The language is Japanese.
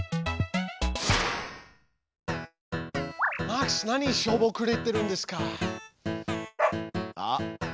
マックスなにしょぼくれてるんですか？